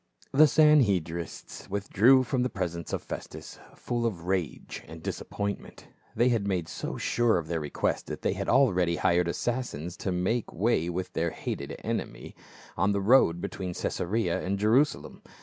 The Sanhedrists withdrew from the presence of Festus full of rage and disappointment. They had made so sure of their request that they had already hired assassins to make way with their hated enemy on the road between Caesarea and Jerusalem.